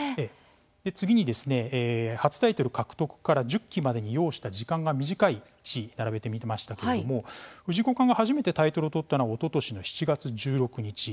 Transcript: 次に初タイトル獲得から１０期までに要した時間が短い棋士、並べてみましたけれども藤井五冠が初めてタイトルをとったのはおととしの７月１６日。